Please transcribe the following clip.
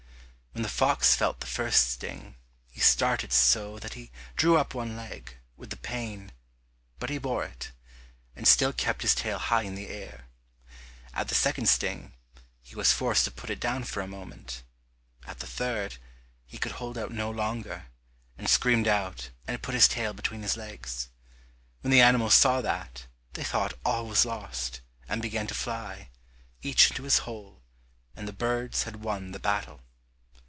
When the fox felt the first sting, he started so that he drew up one leg, with the pain, but he bore it, and still kept his tail high in the air; at the second sting, he was forced to put it down for a moment; at the third, he could hold out no longer, and screamed out and put his tail between his legs. When the animals saw that, they thought all was lost, and began to fly, each into his hole and the birds had won the battle.